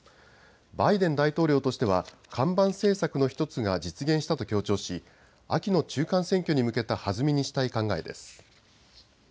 バイデン大統領としては看板政策の１つが実現したと強調し秋の中間選挙に向けた弾みにしたい考えです。